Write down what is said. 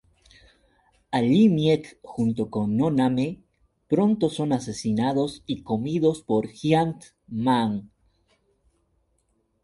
Allí Miek junto con No-Name pronto son asesinados y comidos por Giant-Man.